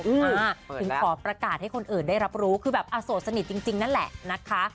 ถึงขอประกาศให้คนอื่นได้รับรู้คือแบบอโสดสนิทจริงนั่นแหละนะคะ